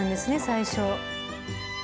最初。